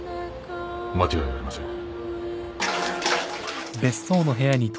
間違いありません。